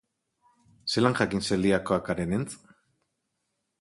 Zelan jakin zeliakoak garenentz?